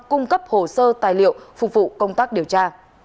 cung cấp hồ sơ tài liệu phục vụ công tác điều tra